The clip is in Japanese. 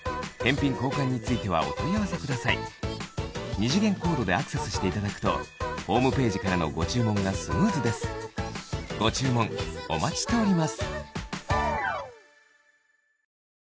二次元コードでアクセスしていただくとホームページからのご注文がスムーズですご注文お待ちしております